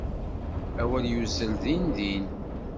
Awal yuzzel din din.